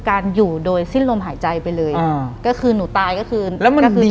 หลังจากนั้นเราไม่ได้คุยกันนะคะเดินเข้าบ้านอืม